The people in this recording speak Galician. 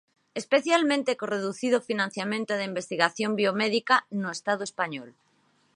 Especialmente co reducido financiamento da investigación biomédica no estado español.